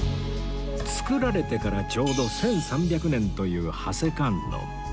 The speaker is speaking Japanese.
作られてからちょうど１３００年という長谷観音